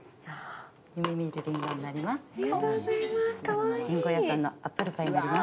夢見るりんごになります。